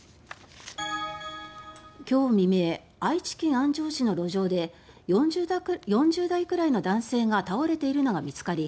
今日未明愛知県安城市の路上で４０代くらいの男性が倒れているのが見つかり